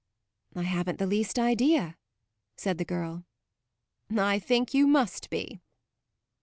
"I haven't the least idea," said the girl. "I think you must be."